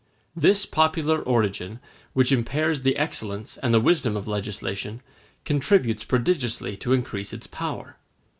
This popular origin, which impairs the excellence and the wisdom of legislation, contributes prodigiously to increase its power.